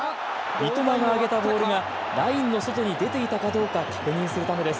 三笘が上げたボールがラインの外に出ていたかどうか確認するためです。